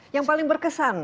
yang paling berkesan